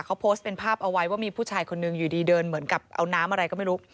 เขาโพสต์เป็นภาพเอาไว้ว่ามีผู้ชายคนนึงอยู่ดีเดินเหมือนกับเอาน้ำอะไรก็ไม่รู้